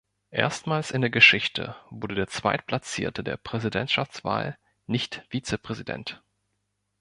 Erstmals in der Geschichte wurde der Zweitplatzierte der Präsidentschaftswahl nicht Vizepräsident.